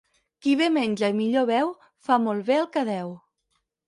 Qui bé menja i millor beu, fa molt bé el que deu.